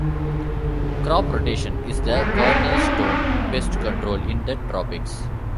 Crop rotation is the cornerstone pest control in the tropics.